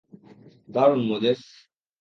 দারুণ, মোজেস।